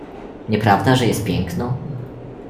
"Nieprawda że jest piękną?"